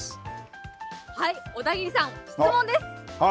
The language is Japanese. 小田切さん、質問です。